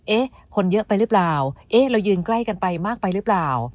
เอ๊ะคนเยอะไปหรือเปล่าเอ๊ะเรายืนใกล้กันไปมากไปหรือเปล่า